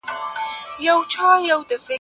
عدل د هر حکومت د پایښت راز دی.